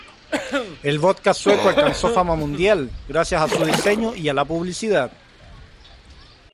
El vodka sueco alcanzó fama mundial gracias a su diseño y a la publicidad.